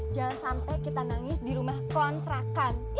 jangan sampai kita nangis di rumah kontrakan